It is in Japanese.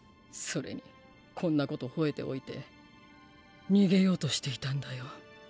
それにこんなこと吠えておいて逃げようとしていたんだよ